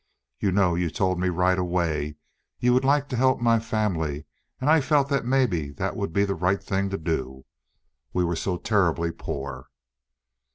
You know you told me right away you would like to help my family, and I felt that maybe that would be the right thing to do. We were so terribly poor.